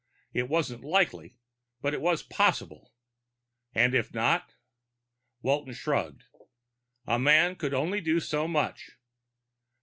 It wasn't likely, but it was possible. And if not? Walton shrugged. A man could do only so much.